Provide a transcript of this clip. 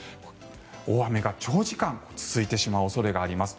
大雨が長時間続いてしまう恐れがあります。